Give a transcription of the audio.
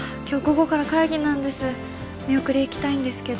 今日午後から会議なんです